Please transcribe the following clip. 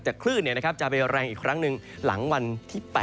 แต่คลื่นจะไปแรงอีกครั้งหนึ่งหลังวันที่๘